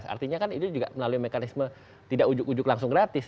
artinya kan itu juga melalui mekanisme tidak ujuk ujuk langsung gratis